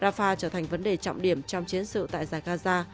rafah trở thành vấn đề trọng điểm trong chiến sự tại giải gaza